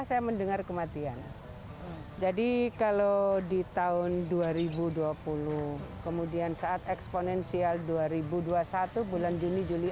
saya mendengar kematian jadi kalau di tahun dua ribu dua puluh kemudian saat eksponensial dua ribu dua puluh satu bulan juni juli